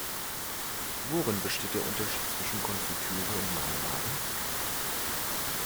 Worin besteht der Unterschied zwischen Konfitüre und Marmelade?